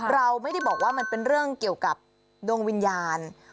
เราไม่ได้บอกว่ามันเป็นเรื่องเกี่ยวกับดวงวิญญาณ